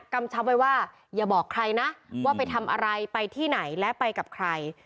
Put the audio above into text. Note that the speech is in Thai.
กำชับไว้ว่าอย่าบอกใครนะว่าไปทำอะไรไปที่ไหนและไปกับใคร